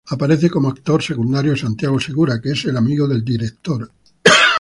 Aparece como actor secundario Santiago Segura, que es amigo del director.